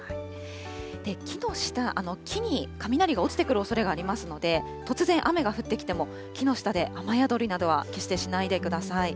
木の下、木に雷が落ちてくるおそれがありますので、突然雨が降ってきても、木の下で雨宿りなどは決してしないでください。